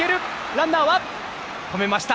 ランナーは止めました。